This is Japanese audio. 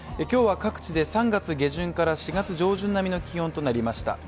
今日は各地で３月下旬から４月上旬並みの気温となりました。